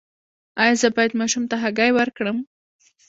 ایا زه باید ماشوم ته هګۍ ورکړم؟